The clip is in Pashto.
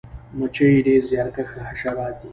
مچۍ ډیر زیارکښه حشرات دي